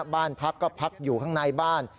บ้านพักก็พักอยู่ข้างในบ้าน